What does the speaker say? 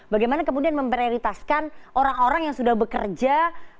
bagaimana kemudian memprioritaskan orang orang yang sudah bekerja